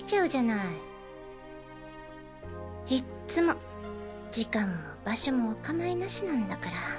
いっつも時間も場所もおかまいなしなんだから。